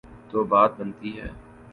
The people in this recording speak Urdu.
تو بات بنتی ہے۔